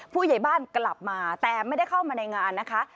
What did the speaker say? ผู้ใหญ่บ้านกลับมาแต่ไม่ได้เข้ามาในงานนะคะ